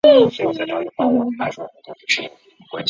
作词及作曲时会使用本名巽明子。